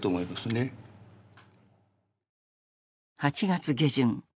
８月下旬。